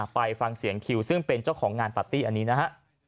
ไปฟังเสียงคิวซึ่งเป็นเจ้าของงานปาร์ตี้อันนี้นะฮะ